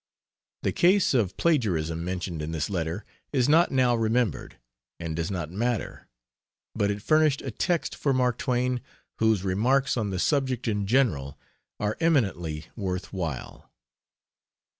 The case of plagiarism mentioned in this letter is not now remembered, and does not matter, but it furnished a text for Mark Twain, whose remarks on the subject in general are eminently worth while.